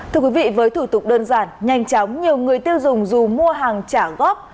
thưa quý vị với thủ tục đơn giản nhanh chóng nhiều người tiêu dùng dù mua hàng trả góp